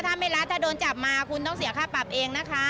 ถ้าไม่รัดถ้าโดนจับมาคุณต้องเสียค่าปรับเองนะคะ